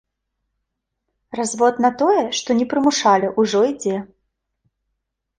Развод на тое, што не прымушалі, ужо ідзе.